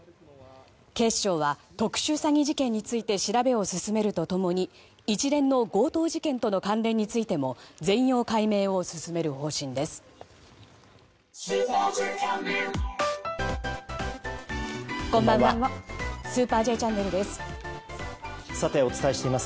警視庁は特殊詐欺事件について調べを進めると共に一連の強盗事件との関連についても全容解明を進める方針です。